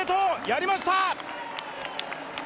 やりました！